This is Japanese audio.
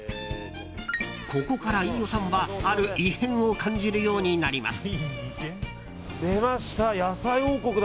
ここから飯尾さんはある異変を感じるようになります。